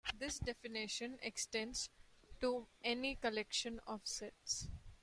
This definition extends to any collection of sets.